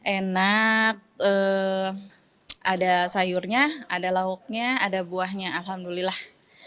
enak ada sayurnya ada lauknya ada buahnya alhamdulillah